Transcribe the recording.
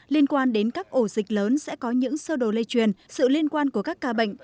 liên quan đến các ổ dịch lớn sẽ có những sơ đồ lây truyền sự liên quan của các ca bệnh